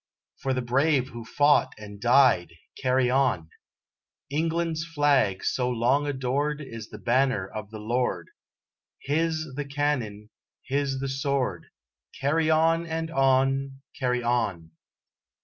For the brave who fought and died, Carry on! England's flag so long adored Is the banner of the Lord His the cannon His the sword Carry on, and on! Carry on!